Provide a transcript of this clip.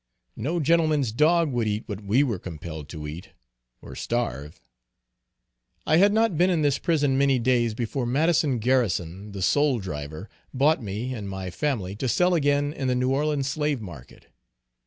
No gentleman's dog would eat what we were compelled to eat or starve. I had not been in this prison many days before Madison Garrison, the soul driver, bought me and my family to sell again in the New Orleans slave market.